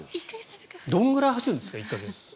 どのぐらい走るんですか？